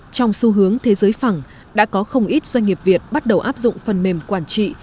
trong xu hướng thế giới phẳng đã có không ít doanh nghiệp việt bắt đầu áp dụng phần mềm quản trị